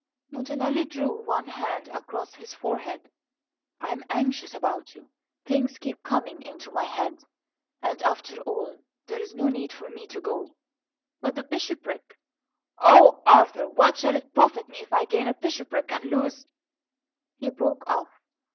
Montanelli drew one hand across his forehead. "I am anxious about you. Things keep coming into my head and after all, there is no need for me to go " "But the bishopric " "Oh, Arthur! what shall it profit me if I gain a bishopric and lose " He broke off.